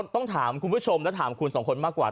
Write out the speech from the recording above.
ต้องถามคุณผู้ชมและถามคุณสองคนมากกว่า